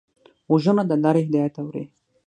غوږونه د لارې هدایت اوري